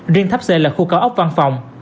riêng tháp c là khu cao ốc văn phòng